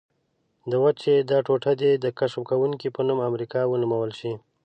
د وچې دا ټوټه دې د کشف کوونکي په نوم امریکا ونومول شي.